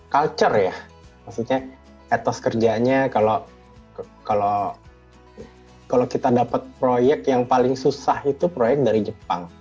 culture ya maksudnya etos kerjanya kalau kita dapat proyek yang paling susah itu proyek dari jepang